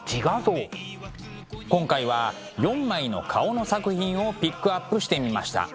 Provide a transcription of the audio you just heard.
今回は４枚の顔の作品をピックアップしてみました。